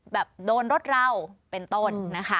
แบบโดนรถเราเป็นต้นนะคะ